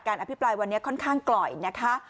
อภิปรายวันนี้ค่อนข้างกล่อยนะคะ